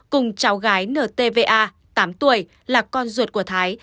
cùng cháu gái ntva tám tuổi là con ruột của thái